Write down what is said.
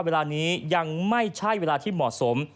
เวลานี้ยังไม่ใช่เวลาที่เหมาะสม